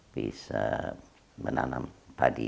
bisa menanam padi